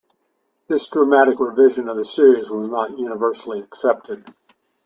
This dramatic revision of the series was not universally accepted.